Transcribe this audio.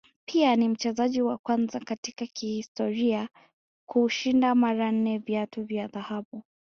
pia ni mchezaji wa kwanza katika historia kushinda mara nne viatu vya dhahabu